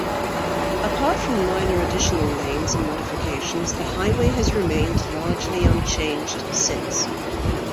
Apart from minor additional lanes and modifications, the highway has remained largely unchanged since.